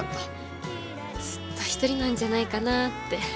ずっとひとりなんじゃないかなって。